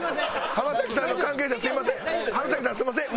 浜崎さんすみません！